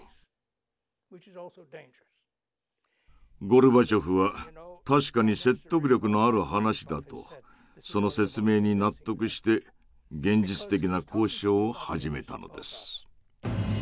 ゴルバチョフは「確かに説得力のある話だ」とその説明に納得して現実的な交渉を始めたのです。